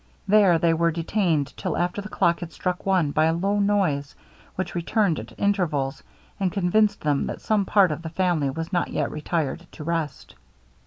There they were detained till after the clock had struck one by a low noise, which returned at intervals, and convinced them that some part of the family was not yet retired to rest.